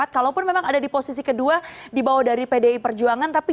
kalaupun memang ada di posisi ke dua dibawah dari pdi perjuangan tapi